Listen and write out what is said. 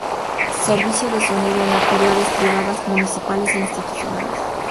Servicio de sonido en actividades privadas, municipales e institucionales.